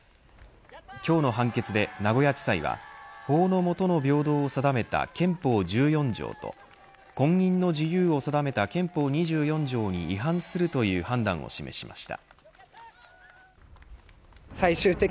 今日の判決で名古屋地裁は法の下の平等を定めた憲法１４条と婚姻の自由を定めた憲法２４条に違反するという判断を示しました。